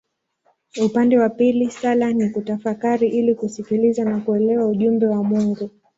Upande wa pili sala ni kutafakari ili kusikiliza na kuelewa ujumbe wa Mungu.